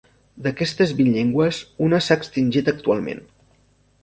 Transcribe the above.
D'aquestes vint llengües, un s'ha extingit actualment.